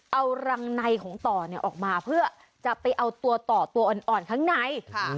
เอารังในของต่อออกมาเพื่อจะไปเอาตัวต่อตัวอ่อนข้างใน